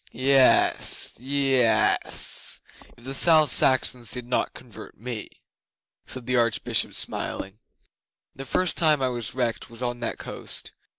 'Yes yess; if the South Saxons did not convert me,' said the Archbishop, smiling. 'The first time I was wrecked was on that coast.